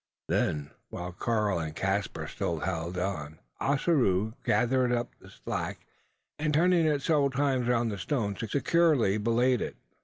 Then, while Karl and Caspar still held on, Ossaroo gathered up the slack; and, turning it several times round the stone, securely belayed it.